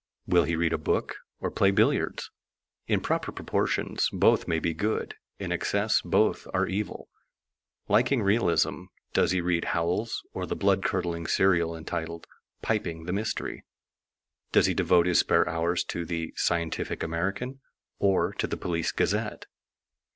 Will he read a book or play billiards? In proper proportions both may be good, in excess both are evil. Liking realism, does he read Howells or the blood curdling serial entitled "Piping the Mystery"? Does he devote his spare hours to the "Scientific American" or to the "Police Gazette"?